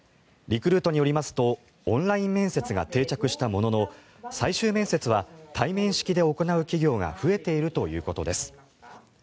リクルートによりますとオンライン面接が定着したものの最終面接は対面式で行う企業が増えているということです。